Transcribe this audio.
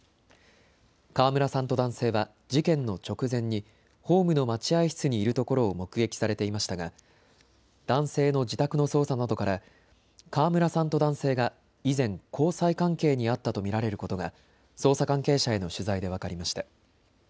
川村さんと男性は事件の直前にホームの待合室にいるところを目撃されていましたが男性の自宅の捜査などから川村さんと男性が以前、交際関係にあったと見られることが捜査関係者への取材で分かりました。